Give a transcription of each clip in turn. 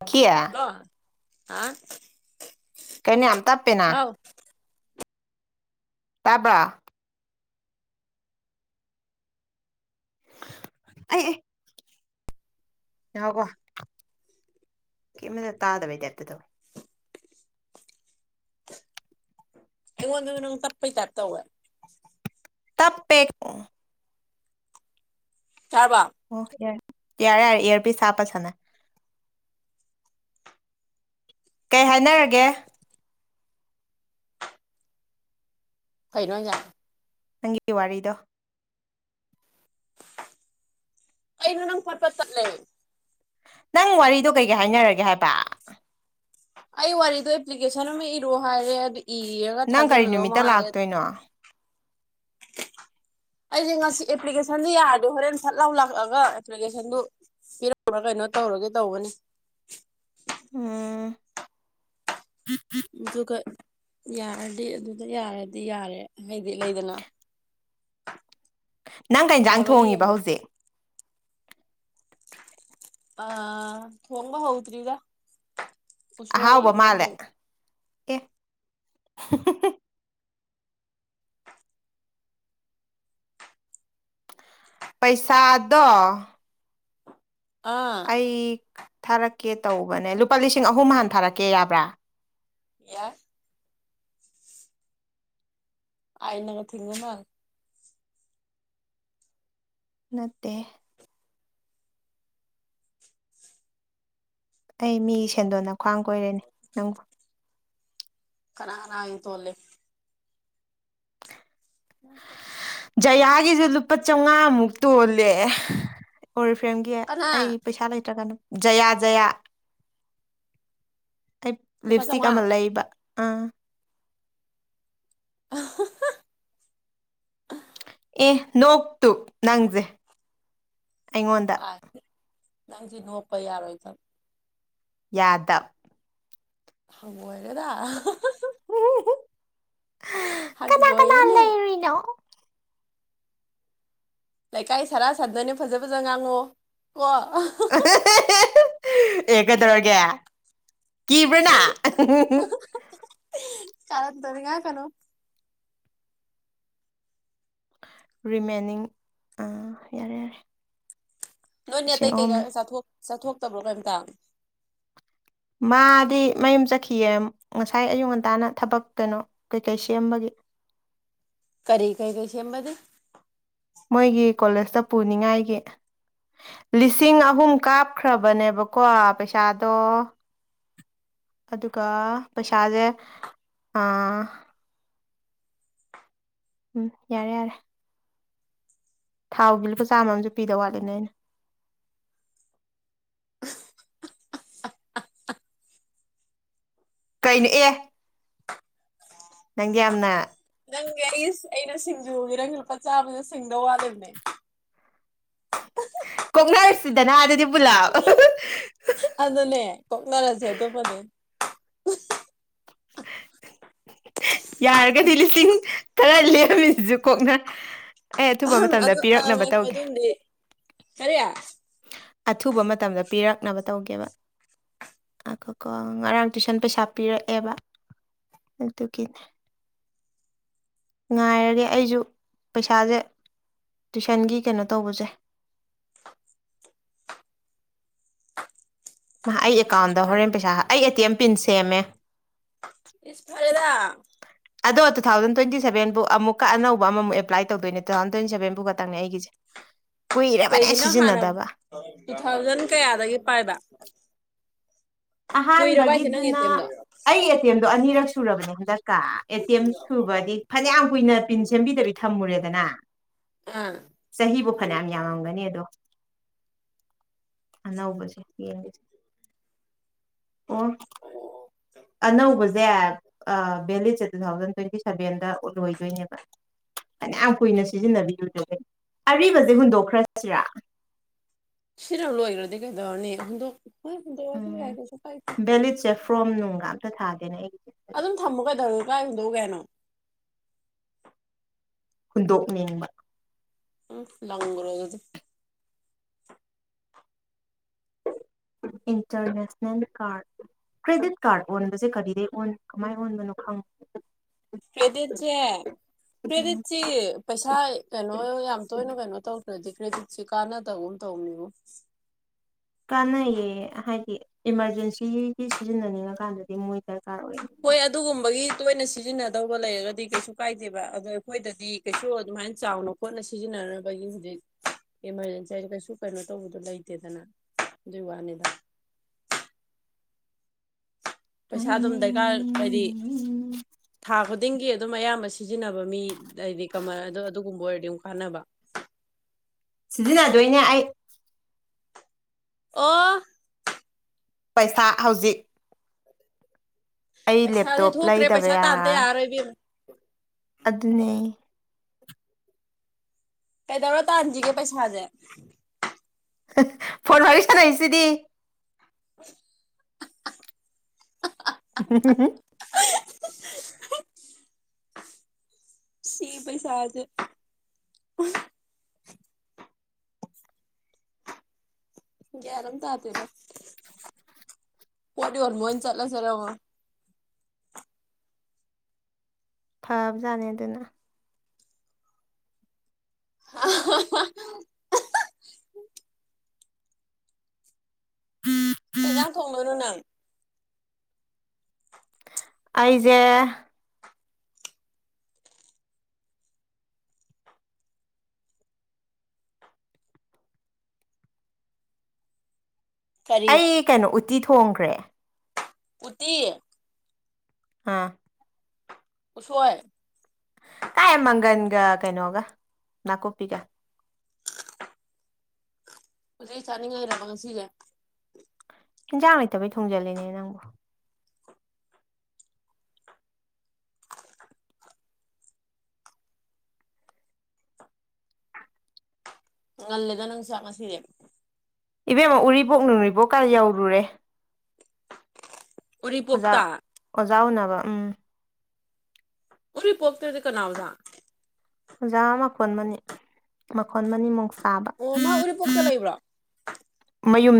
ꯑ ꯀꯌꯥ ꯍꯜꯂꯣ ꯍꯥ ꯀꯩꯅꯣ ꯌꯥꯝ ꯇꯞꯄꯦꯅ ꯍꯥꯎ ꯇꯕ ꯑ ꯌꯥꯀꯣ ꯀꯤꯃꯗ ꯇꯥꯗꯕꯩ ꯗꯦꯇꯨꯗꯣ ꯑꯩꯉꯣꯟꯗ ꯅꯪ ꯇꯄꯩ ꯇꯔ ꯇꯧ ꯇꯞꯄꯦ ꯇꯥꯔꯕꯣ ꯑꯣꯈꯦꯏ ꯌꯥꯔꯦ ꯌꯥꯔꯦ ꯏꯔꯐꯤꯁ ꯍꯞꯄꯥ ꯁꯅꯥ ꯀꯩ ꯍꯥꯏꯅꯔꯒꯦ ꯐꯩꯩꯅꯣꯖ ꯅꯪꯒꯤ ꯋꯥꯔꯤꯗꯣ ꯀꯩꯅꯣ ꯅꯪ ꯄꯠ ꯄꯠ ꯇꯠꯂꯦ ꯅꯪ ꯋꯥꯔꯤꯗꯣ ꯀꯩꯀꯩ ꯍꯥꯏꯅꯔꯒꯦ ꯍꯥꯏꯕ ꯑꯩ ꯋꯥꯔꯤꯗꯣ ꯑꯦꯄ꯭ꯂꯤꯀꯦꯁꯟ ꯑꯃ ꯏꯔꯛꯑꯣ ꯍꯥꯏꯔꯦ ꯏꯔꯒ ꯅꯪ ꯀꯔꯤ ꯊꯥꯖꯤꯜꯂꯒ ꯅꯨꯃꯤꯠꯇ ꯃꯉꯥꯏꯔꯦ [inaudible] ꯂꯥꯛꯇꯣꯏꯅꯣ ꯑꯩꯁꯦ ꯉꯁꯤ ꯑꯦꯄ꯭ꯂꯤꯀꯦꯁꯟꯁ ꯌꯥꯔꯗꯤ ꯍꯣꯔꯦꯟ ꯁꯠ ꯂꯥꯎ ꯂꯥꯛꯑꯒ ꯑꯦꯄ꯭ꯂꯤꯀꯦꯁꯟꯗꯨ ꯄꯤꯔꯝꯕ꯭ꯔ ꯀꯩꯅꯣ ꯇꯧꯔꯒꯦ ꯇꯧꯒꯅꯤ ꯎꯝ ꯐꯗꯨꯒ ꯌꯥꯔꯗꯤ ꯑꯗꯨꯗ ꯌꯥꯔꯗꯤ ꯌꯥꯔꯦ ꯑꯩꯩꯗꯤ ꯂꯩꯗꯅ ꯅꯪ ꯀꯩꯖꯥꯡ ꯂꯥꯏꯕꯛ ꯊꯣꯡꯉꯤꯕ ꯌꯦꯡꯉ ꯍꯧꯖꯤꯛ ꯑ ꯊꯣꯡꯕ ꯍꯧꯗ꯭ꯔꯤꯗ ꯎꯁꯣꯏ ꯑꯍꯥꯎꯕ ꯃꯥꯜꯂꯦ ꯏꯔꯣꯟꯗꯣꯢꯕ ꯑꯦ [unintelligible] ꯄꯩꯁꯥꯗꯣ ꯑꯥ ꯑꯩ ꯊꯥꯔꯛꯀꯦ ꯇꯧꯕꯅꯦ ꯂꯨꯄꯥ ꯂꯤꯁꯤꯡ ꯑꯍꯨꯝ ꯍꯥꯟ ꯊꯥꯔꯛꯀꯦ ꯌꯥꯕ꯭ꯔꯥ ꯌꯥ ꯑꯥꯏꯅꯉ ꯊꯉꯅ ꯅꯠꯇ ꯑꯩ ꯃꯤ ꯁꯦꯟꯗꯣꯟꯅ ꯈ꯭ꯋꯥꯡ ꯀꯣꯏꯔꯦꯅꯦ ꯅꯪꯕꯨ ꯀꯅꯥꯅꯥꯏ ꯇꯣꯂꯦ ꯑ ꯇ ꯖꯌꯥꯒꯤꯁꯨ ꯂꯨꯄꯥ ꯆꯥꯝꯃꯉꯥꯃꯨꯛ ꯇꯣꯜꯂꯦ ꯑꯣꯔꯤꯐ꯭ꯔꯦꯝꯒꯤ ꯑꯩ ꯀꯅꯥ ꯄꯩꯁꯥ ꯂꯩꯇ꯭ꯔꯒꯅ ꯖꯌꯥ ꯖꯌꯥ ꯑꯩ ꯂꯤꯞ ꯂꯨꯄꯥ ꯏꯁꯇꯤꯛ ꯆꯥꯝꯃꯉꯥ ꯑꯃ ꯂꯩꯕ ꯑꯥ ꯑ ꯑꯦ ꯅꯣꯛꯇꯨ ꯅꯪꯁꯦ ꯑꯩꯉꯣꯟꯗ ꯑꯥ ꯅꯪꯁꯤ ꯅꯣꯛꯄ ꯌꯥꯔꯣꯏ ꯆ ꯌꯥꯗꯞ ꯍꯪꯒꯣꯏꯔꯦꯗ [unintelligible] [inaudible] ꯀꯅꯥ ꯀꯅꯥ ꯍꯪꯒꯣꯢꯌꯦꯅꯦ ꯂꯩꯔꯨꯏꯅꯣ ꯂꯩꯀꯥꯏ ꯁꯥꯔꯥ ꯁꯥꯗꯣꯏꯅꯤ ꯐꯖ ꯐꯖ ꯉꯥꯡꯉꯨ ꯀꯣ ꯑꯦ ꯀꯩꯗꯧꯔꯒꯦ ꯀꯤꯕ꯭ꯔꯅ ꯀꯥꯔꯟ ꯇꯨꯔꯟ ꯉꯥꯡꯉꯛꯀꯅꯣ ꯔꯤꯃꯦꯟꯅꯤꯡ ꯑꯥ ꯌꯥꯔꯦ ꯌꯥꯔꯦ ꯅꯣꯏꯅꯦ ꯑꯇꯩ ꯂꯤꯁꯤꯡ ꯑꯍꯨꯝ ꯀꯩꯀꯥ ꯆꯥꯊꯣꯛꯇꯕ꯭ꯔꯣ ꯀꯩꯝꯇ ꯌꯦꯝ ꯉꯁꯥꯏ ꯑꯌꯨꯛ ꯉꯟꯇꯥꯅ ꯊꯕꯛ ꯀꯩꯅꯣ ꯀꯩꯀꯩ ꯁꯦꯝꯕꯒꯤ ꯀꯔꯤ ꯀꯩ ꯀꯩꯁ ꯃꯗꯤ ꯃꯣꯏꯒꯤ ꯀꯣꯂꯦꯖꯇ ꯄꯨꯅꯤꯡꯉꯥꯏꯒꯤ ꯂꯤꯁꯤꯡ ꯑꯍꯨꯝ ꯀꯥꯞꯈ꯭ꯔꯕꯅꯦꯕꯀꯣ ꯄꯩꯁꯥꯗꯣ ꯑꯗꯨꯒ ꯄꯩꯁꯥꯁꯦ ꯎꯝ ꯌꯥꯔꯦ ꯌꯥꯔꯦ ꯊꯥꯎꯒꯤꯜꯄ ꯆꯥꯝꯃꯝꯁꯨ ꯄꯤꯗ ꯋꯥꯠꯂꯦꯅꯦ ꯑꯩꯅ ꯀꯩꯅꯣ ꯑꯦ ꯅꯪꯌꯥꯝꯅ ꯅꯪꯒꯤ ꯑꯩ ꯑꯩꯅ ꯁꯤꯡꯖꯨꯒꯤꯦ ꯅꯪꯒꯤ ꯂꯨꯄꯥ ꯆꯥꯕꯗ ꯁꯤꯡꯗꯧ ꯋꯥꯗꯕꯅꯦ ꯀꯣꯡꯅꯔꯁꯤꯗꯅ ꯑꯗꯨꯗꯤ ꯄꯨꯂꯥ ꯑꯗꯨꯅꯦ ꯀꯣꯛꯅꯔꯁꯦ ꯑꯗꯨꯃꯅꯦ [inaudible] ꯌꯥꯔꯒꯗꯤ ꯂꯤꯁꯤꯡ ꯇꯔꯥ ꯂꯦꯝꯃꯤꯁꯤꯁꯨ ꯀꯣꯛꯅ ꯑꯦ ꯑꯊꯨꯕ ꯃꯇꯝꯗ ꯑꯗꯨ ꯄꯤꯔꯛꯅꯕ ꯉꯥꯏꯈꯣ ꯇꯧꯒꯦ ꯑꯗꯨꯝꯗꯤ ꯀꯔꯤ ꯑꯊꯨꯕ ꯃꯇꯝꯗ ꯄꯤꯔꯛꯅꯕ ꯇꯧꯒꯦꯕ ꯣ ꯀꯣ ꯉꯔꯥꯡ ꯇꯨꯏꯁꯟ ꯄꯩꯁꯥ ꯄꯤꯔꯛꯑꯦꯕ ꯑꯗꯨ ꯇꯒꯤ ꯉꯥꯏꯔꯒꯦ ꯑꯩꯁꯨ ꯄꯩꯁꯥꯁꯦ ꯇꯨꯏꯁꯟꯒꯤ ꯀꯩꯅꯣ ꯇꯧꯕꯁꯦ ꯃꯥ ꯑꯩ ꯑꯦꯀꯥꯎꯟꯗ ꯍꯣꯔꯦꯟ ꯄꯩꯁꯥ ꯑꯩ ꯑꯦ ꯇꯤ ꯑꯦꯝ ꯄꯤꯟ ꯁꯦꯝꯃꯦ ꯏꯁ ꯐꯔ ꯑꯣꯗ ꯇꯨ ꯊꯥꯎꯟ ꯇ꯭ꯋꯇꯤ ꯁꯕꯦꯟꯕꯨꯨꯛꯀ ꯑꯅꯧꯕ ꯑꯃꯨꯛ ꯑꯦꯄ꯭ꯂꯥꯏ ꯇꯧꯣꯏ ꯇꯨ ꯊꯥꯎꯟ ꯇ꯭ꯋꯇꯤ ꯁꯚꯦꯟꯕꯨ ꯈꯛꯇꯪꯅꯦ ꯑꯩꯒꯤ [inaudible] ꯀꯩꯒꯤꯅꯣ ꯍꯥꯟꯅ ꯇꯨ ꯊꯥꯎꯖꯟ ꯀꯌꯥꯗꯒꯤ ꯄꯥꯏꯕ ꯀꯨꯏꯔꯕ ꯍꯥꯏꯁꯦ ꯅꯪꯒꯤ ꯑꯍꯥꯟꯕꯒꯤꯗꯨꯅ ꯑꯦꯇꯦꯝꯗꯣ ꯑꯩ ꯑꯦꯇꯦꯝꯗꯣ ꯑꯅꯤꯔꯛ ꯁꯨꯔꯕꯅꯦ ꯀ ꯑꯦꯇꯤ ꯑꯦꯝ ꯁꯨꯕꯗꯤ ꯐꯖ ꯌꯥꯝ ꯀꯨꯏꯅ ꯄꯤꯟ ꯁꯦꯝꯕꯤꯗꯕꯤ ꯊꯝꯃꯨꯔꯦꯗꯅ ꯑꯥ ꯆꯍꯤꯕꯨ ꯐꯅꯌꯥꯝ ꯌꯥꯝꯃꯝꯒꯅꯤ ꯑꯗꯣ ꯅꯧ ꯖꯦ ꯌꯦ ꯂꯤꯖ ꯑ ꯑꯅꯧꯕꯁꯦ ꯚꯦꯂꯤꯠꯁꯦ ꯇꯨ ꯊꯥꯎꯖꯟ ꯇ꯭ꯋꯦꯟꯇꯤ ꯁꯚꯦꯟꯗ ꯎꯠꯂꯣꯏꯗꯣꯏꯅꯦꯕ ꯐꯅꯌꯥꯝ ꯀꯨꯏꯅ ꯁꯤꯖꯤꯟꯅꯕꯤꯌꯨꯗꯒ ꯑꯔꯤꯕꯁꯦ ꯍꯨꯟꯗꯣꯛꯈ꯭ꯔꯁꯤꯔ ꯁꯤꯔ ꯂꯣꯏꯈ꯭ꯔꯗꯤ ꯀꯩꯗꯧꯔꯅꯤ ꯄ꯭ꯔꯣꯝ ꯅꯨꯡꯒ ꯑꯝꯇ ꯊꯥꯥꯁꯦꯅꯦ ꯑꯩ ꯑꯗꯨꯝ ꯊꯝꯃꯨ ꯀꯩꯗꯧꯔ ꯀꯥꯏ ꯍꯨꯝꯗꯧ ꯀꯦꯅꯣ ꯍꯨꯟꯗꯣꯛꯅꯤꯡꯕ ꯎꯝ ꯂꯪꯒꯔ ꯑꯣꯏ ꯑꯗꯨꯗꯤ [inaudible] ꯏꯟꯇꯔꯅꯦꯁꯅꯦꯜ ꯀꯥꯔ ꯀ꯭ꯔꯦꯗꯤꯠ ꯀꯥꯔꯠ ꯑꯣꯟꯕꯁꯦ ꯀꯔꯤꯗꯩ ꯑꯣꯟ ꯀꯃꯥꯏꯅ ꯑꯣꯟꯕꯅꯣ ꯈꯪ ꯀꯦꯗ ꯆꯦ ꯎꯝ ꯀ꯭ꯔꯦꯗꯤꯠꯁꯤ ꯄꯩꯁꯥ ꯀꯩꯅꯣ ꯌꯥꯝ ꯇꯣꯏꯅ ꯀꯩꯅꯣ ꯇꯧꯈ꯭ꯔꯗꯤ ꯄ꯭ꯔꯖꯤꯠꯁꯦ ꯀꯥꯟꯅꯗꯒꯨꯝ ꯇꯧꯅꯤꯕ ꯀꯥꯟꯅꯩꯌꯦ ꯍꯥꯏꯗꯤ ꯏꯃꯥꯔꯖꯦꯟꯁꯤꯒꯤ ꯁꯤꯖꯤꯟꯅꯅꯤꯡꯉꯀꯥꯟꯗꯗꯤ ꯃꯣꯏ ꯗꯔꯀꯥꯔ ꯑꯣꯏ ꯍꯣꯏ ꯑꯗꯨꯒꯨꯝꯕꯒꯤ ꯇꯣꯏꯅ ꯁꯤꯖꯤꯟꯅꯗꯧꯕ ꯂꯩꯔꯒꯗꯤ ꯀꯩꯁꯨ ꯀꯥꯏꯗꯦꯕ ꯑꯗꯣ ꯑꯩꯈꯣꯏꯗꯗꯤ ꯀꯩꯁꯨ ꯑꯗꯨꯃꯥꯏꯅ ꯆꯥꯎꯅ ꯈꯣꯠꯅ ꯁꯤꯖꯤꯟꯅ ꯒꯤ ꯍꯧꯖꯤ ꯏꯃꯥꯔꯖꯦꯟꯁꯤ ꯍꯥꯏꯁ ꯀꯩꯁꯨ ꯀꯩꯅꯣ ꯇꯧꯕꯗꯣ ꯂꯩꯇꯦꯗꯅ ꯑꯗꯨꯒꯤ ꯋꯥꯅꯤꯗ [inaudible] ꯄꯩꯁꯥ ꯑꯗꯨꯝ ꯍꯥꯏꯅꯩ ꯗꯔꯀꯥꯔ ꯍꯥꯏꯗꯤ ꯊꯥ ꯇꯤꯡꯒꯤ ꯑꯗꯨꯝ ꯑꯌꯥꯝꯕ ꯁꯤꯖꯤꯟꯅꯕ ꯃꯤ ꯍꯥꯏꯗꯤ ꯀꯃꯜ ꯑꯗꯣ ꯑꯗꯨꯒꯨꯝꯕ ꯑꯣꯏꯔꯗꯤ ꯑꯗꯨꯝ ꯀꯥꯟꯅꯕ [inaudible] ꯁꯤꯖꯤꯟꯅꯗꯣꯏꯅꯦ ꯑꯩ ꯑꯣ ꯄꯩꯁꯥ ꯍꯧꯖꯤꯛ ꯑꯩ ꯄꯩꯁꯥꯗꯤ ꯂꯦꯞꯇꯣꯞ ꯊꯣꯛꯇ꯭ꯔꯦ ꯂꯩꯗꯕ ꯄꯩꯁꯥ ꯇꯥꯟꯇ ꯌꯥꯔꯣꯏꯕꯤ ꯑꯃꯨ ꯑꯗꯨꯗꯅꯦ ꯀꯩꯗꯧꯔꯣ ꯇꯥꯟꯁꯤꯒꯦ ꯄꯩꯁꯥꯖꯦ ꯐꯣꯟ ꯐ ꯆꯅꯁꯤꯗꯤ [inaudible] ꯍ [unintelligible] ꯁꯤꯦ ꯄꯩꯁꯥꯗ ꯔꯝ ꯇꯥꯇꯔ ꯄꯣ ꯋꯥꯔ ꯃ ꯆꯠꯂꯁꯔ ꯐꯕꯖꯥꯅꯤ ꯑꯗꯨꯅ ꯑ ꯀꯩ ꯏꯟꯖꯥꯡ ꯊꯣꯡꯗꯣꯏꯅꯣ ꯅꯪ ꯑꯩꯖꯦ ꯀꯔꯤ ꯑꯩ ꯀꯩꯅꯣ ꯎꯠꯇꯤ ꯊꯣꯡꯈ꯭ꯔꯦ ꯎꯇꯤ ꯑꯥ ꯀꯁꯦ ꯇꯥꯏ ꯃꯪꯒꯟꯒ ꯀꯩꯅꯣꯒ ꯅꯥꯀꯨꯞꯄꯤꯒ ꯍꯧꯗꯤ ꯆꯥꯅꯤ ꯏꯔꯥꯡꯁꯤꯔ ꯏꯟꯖꯥꯡ ꯂꯩꯇꯕꯩ ꯊꯣꯡꯖꯤꯜꯂꯤꯅꯦ ꯅꯪꯕꯨ ꯑꯂꯦꯗ ꯅꯪ ꯆꯃꯁꯤꯗ ꯏꯕꯦꯝꯃ ꯎꯔꯤꯕꯣꯛ ꯅꯨꯡꯔꯤꯕꯣꯛ ꯀ ꯌꯧꯔꯨꯔꯦ ꯑꯣꯖꯥ ꯎꯔꯤꯄꯣꯛꯇ ꯑꯣꯖꯥ ꯎꯅꯕ ꯎꯝ ꯎꯔꯤ ꯄꯣꯞꯇꯗꯤ ꯀꯅꯥꯎꯖ ꯑꯣꯖꯥ ꯃꯈꯣꯟ ꯃꯅꯤ ꯃꯈꯣꯟ ꯃꯅꯤ ꯃꯨꯛ ꯑꯣ ꯃꯥ ꯎꯔꯤꯄꯣꯛꯇ ꯂꯩꯕ꯭ꯔꯣ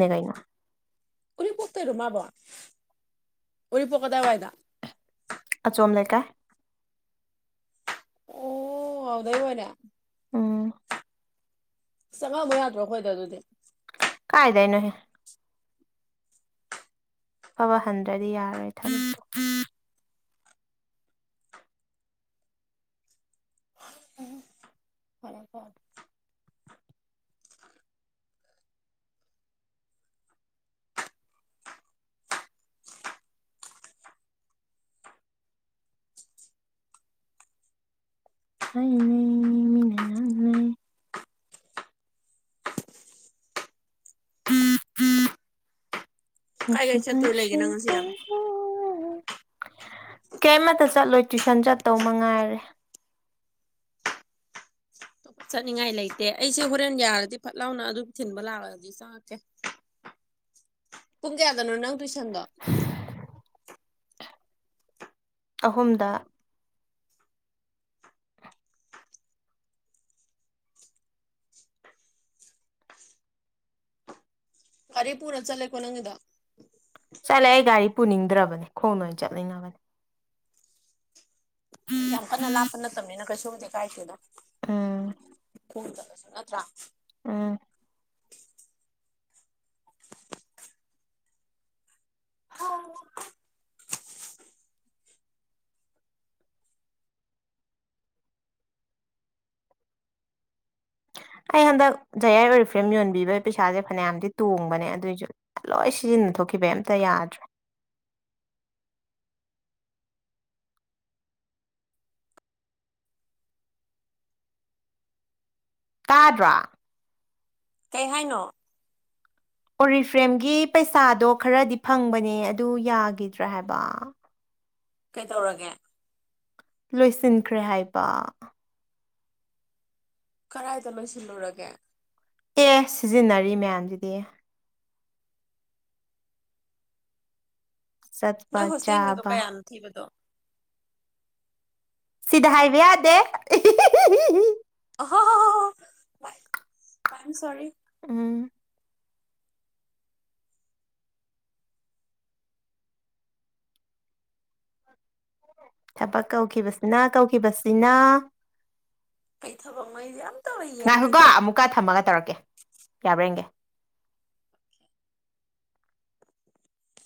ꯀꯩꯅ ꯎꯔꯤꯄꯣꯛ ꯇ ꯔꯨꯃꯕ ꯎꯔꯤꯄꯣꯛ ꯀꯗ ꯋꯥꯏꯗ ꯑꯆꯝꯀ ꯑꯣ ꯑꯗꯦ ꯍꯂ ꯎꯝ ꯆꯪꯉꯕ ꯌꯥꯗ꯭ꯔꯣ ꯑꯩꯈꯣꯏꯗ ꯑꯗꯨꯗꯤ ꯀꯥꯏꯗꯏꯅ ꯍꯦ ꯐꯕ ꯍꯟꯗ꯭ꯔꯗꯤ ꯌꯥꯔꯣꯏ ꯊꯕꯤꯛꯇꯣ ꯎ ꯐꯔ ꯐꯣ ꯍ ꯂꯩ ꯃꯤꯅ ꯂꯩ ꯀꯥꯏ ꯀꯥꯏ ꯆꯠꯇꯣꯏ ꯂꯩꯒꯦ ꯃꯁꯤꯄꯥꯁ ꯅꯪ ꯉꯁꯤ ꯌꯥꯝ ꯀꯩꯃꯇ ꯆꯠꯂꯣꯏ ꯇꯨꯏꯁꯟ ꯆꯠꯇꯧ ꯃꯉꯥꯏꯔꯦ ꯆꯠꯅꯤꯡꯉꯥꯏ ꯂꯩꯇꯦ ꯑꯩꯁꯦ ꯍꯣꯔꯦꯟ ꯌꯥꯔꯗꯤ ꯐꯠ ꯂꯥꯎꯅ ꯑꯗꯨꯝ ꯊꯤꯟꯕ ꯂꯥꯛꯑꯒꯗꯤ ꯆꯪꯉꯛꯀꯦ ꯄꯨꯡ ꯀꯌꯥꯗꯅꯣ ꯅꯪ ꯇꯨꯏꯁꯟꯗꯣ ꯑꯍꯨꯝꯗ ꯑꯔꯦ ꯄꯨꯔꯠ ꯆꯂꯦꯀꯣ ꯅꯪꯗ ꯆꯠꯂꯦ ꯑꯩ ꯒꯥꯔꯤ ꯄꯨꯅꯤꯡꯗ꯭ꯔꯕꯅꯤ ꯈꯣꯡꯅ ꯑꯣꯏꯅ ꯆꯠꯅꯤꯡꯉꯕꯅꯤ ꯌꯥꯝ ꯀꯟꯅ ꯂꯥꯛꯄ ꯅꯠꯇꯅꯤꯅ ꯀꯩꯁꯨꯕꯗꯤ ꯀꯥꯏ ꯀꯗ ꯎꯝ ꯍ ꯅꯠꯇ꯭ꯔꯥ ꯎꯝ ꯍ ꯑꯩ ꯍꯟꯗꯛ ꯖꯌꯥꯏ ꯑꯣꯏꯔꯤ ꯐ꯭ꯔꯦꯝ ꯌꯣꯟꯕꯤꯕꯒꯤ ꯄꯩꯁꯥꯁꯦ ꯐꯅꯌꯥꯝꯗꯤ ꯇꯣꯡꯕꯅꯦ ꯑꯗꯨꯏꯁꯨ ꯂꯣꯏ ꯁꯤꯖꯤꯟꯅꯩ ꯊꯣꯛꯈꯤꯕ ꯑꯝꯇ ꯌꯥꯗ꯭ꯔꯦ ꯑ ꯇꯥꯗ꯭ꯔꯥ ꯀꯩ ꯍꯥꯏꯅꯣ ꯑꯣꯔꯤꯐ꯭ꯔꯦꯝꯒꯤ ꯄꯩꯁꯥꯗꯣ ꯈꯔꯗꯤ ꯐꯪꯕꯅꯦ ꯑꯗꯨ ꯌꯥꯒꯤꯗ꯭ꯔꯥ ꯍꯥꯏꯕ ꯀꯩ ꯇꯧꯔꯒꯦ ꯂꯣꯏꯁꯤꯟꯈ꯭ꯔꯦ ꯍꯥꯏꯕ ꯀꯗꯥꯏꯗ ꯂꯣꯏꯁꯤꯜꯂꯨꯔꯒꯦ ꯑꯦ ꯁꯤꯖꯤꯟꯅꯔꯤ ꯃꯌꯥꯝꯁꯤꯗꯤ ꯆꯠꯄ ꯅꯪ ꯍꯣꯁꯇꯦꯜꯒꯤꯗꯣ ꯆꯥꯕ ꯀꯌꯥꯅꯣ ꯊꯤꯕꯗꯣ ꯁꯤꯗ ꯍꯥꯏꯕ ꯌꯥꯗꯦ ꯍ ꯃ ꯁꯣꯔꯤ ꯎꯝ ꯊꯕꯛ ꯀꯧꯈꯤꯕꯁꯤꯅ ꯀꯧꯈꯤꯕꯁꯤꯅ ꯀꯩ ꯊꯕꯛꯅꯣ ꯑꯩꯁꯦ ꯑꯝꯇꯕꯨ ꯌꯦꯡꯗꯦ ꯉꯥꯏꯈꯣꯀꯣ ꯏꯕꯦꯝꯃ ꯑꯃꯨꯛꯀ ꯊꯝꯃꯒ ꯇꯧꯔꯛꯀꯦ ꯌꯥꯕꯦꯟꯒꯦ